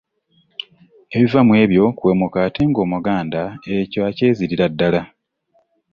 Ebiva mu ebyo kuwemuka ate ng’Omuganda ekyo akyezirira ddala.